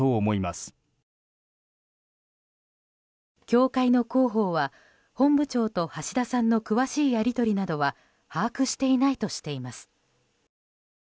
教会の広報は、本部長と橋田さんの詳しいやり取りなどは把握していないとしています。